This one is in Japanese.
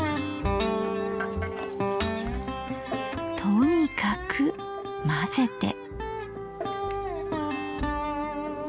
とにかく混ぜて。